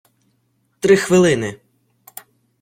три хвилини!